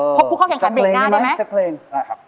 พบผู้เข้าแข่งขันเบรกหน้าได้ไหมสักเพลงครับ